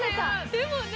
でもね。